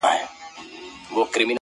قتلول به یې مظلوم خلک بېځایه!!